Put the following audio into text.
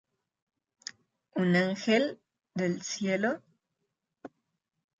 Un Ángel del cielo